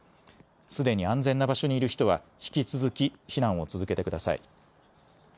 すでに安全な場所にいる人は引き続き避難を続けてください。